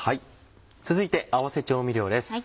続いて合わせ調味料です。